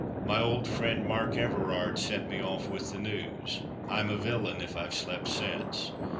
"My old friend, Mark Everard, sent me off with the news; I'm a villain if I've slept since.